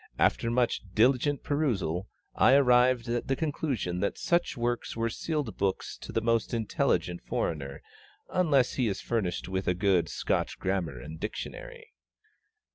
after much diligent perusal, I arrived at the conclusion that such works were sealed books to the most intelligent foreigner, unless he is furnished with a good Scotch grammar and dictionary.